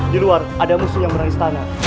di luar ada musuh yang menangis tanah